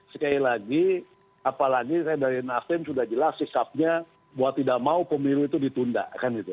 sekali lagi apalagi saya dari nafem sudah jelas sikapnya buat tidak mau pemilu itu ditunda kan gitu